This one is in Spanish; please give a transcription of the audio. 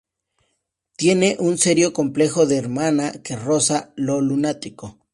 Tiene un serio complejo de hermana que roza lo lunático.